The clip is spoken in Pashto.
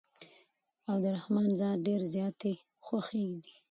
او د رحمن ذات ډېرې زياتي خوښې دي